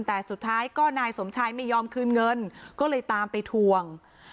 แต่สุดท้ายก็นายสมชายไม่ยอมคืนเงินก็เลยตามไปทวง